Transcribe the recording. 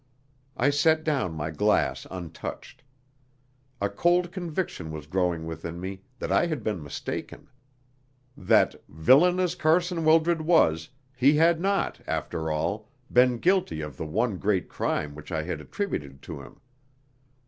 I set down my glass untouched. A cold conviction was growing within me that I had been mistaken; that, villain as Carson Wildred was, he had not, after all, been guilty of the one great crime which I had attributed to him.